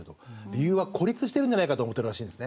理由は孤立してるんじゃないかと思ってるらしいんですね。